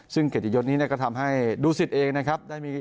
ซึ่งกัตติยนี้ทำให้ดูสิทธิ์เองนะครับ